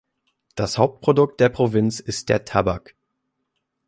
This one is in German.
Das Hauptprodukt der Provinz ist der Tabak.